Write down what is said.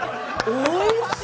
おいしい！